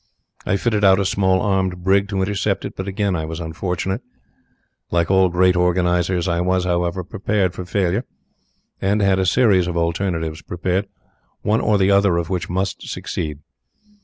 I fitted out a small armed brig to intercept it, but again I was unfortunate. Like all great organizers I was, however, prepared for failure, and had a series of alternatives prepared, one or the other of which must succeed.